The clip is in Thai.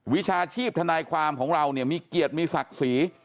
วิชาชีพทนายความของเราเนี่ยมีเกียรติมีศักดิ์ศรี